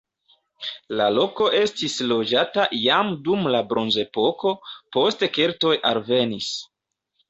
La loko estis loĝata jam dum la bronzepoko, poste keltoj alvenis.